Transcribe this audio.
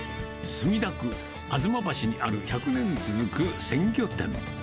墨田区吾妻橋にある１００年続く鮮魚店。